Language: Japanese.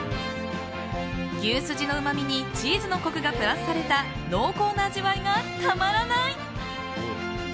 牛すじのうまみにチーズのコクがプラスされた濃厚な味わいがたまらない！